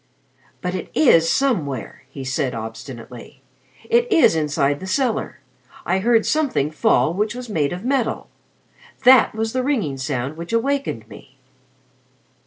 "But it is somewhere!" he said obstinately. "It is inside the cellar. I heard something fall which was made of metal. That was the ringing sound which awakened me."